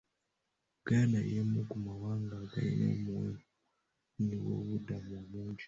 Uganda y'emu ku mawanga agalina omuwendo gw'Abanoonyiboobubudamu omungi.